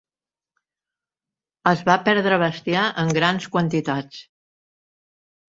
Es va perdre bestiar en grans quantitats.